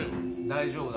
大丈夫。